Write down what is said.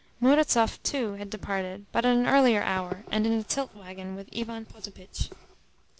Murazov, too, had departed, but at an earlier hour, and in a tilt waggon with Ivan Potapitch.